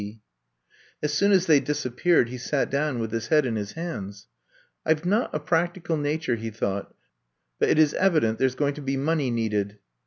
D." As soon as they disappeared he sat down with his head in his hands. I Ve not a practical nature," he thought, but it is evident there 's going to be money needed.